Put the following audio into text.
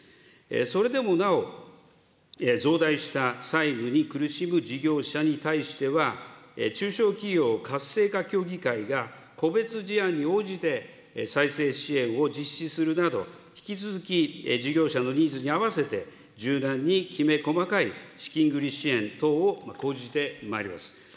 それでもなお、増大した債務に苦しむ事業者に対しては、中小企業活性化協議会が、個別事案に応じて再生支援を実施するなど、引き続き事業者のニーズに合わせて、柔軟にきめ細かい資金繰り支援等を講じてまいります。